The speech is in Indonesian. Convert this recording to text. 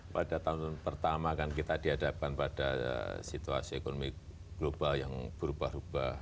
pada tahun pertama kan kita dihadapkan pada situasi ekonomi global yang berubah ubah